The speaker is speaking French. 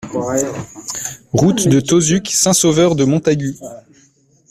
Route de Tauzuc, Saint-Sauveur-de-Montagut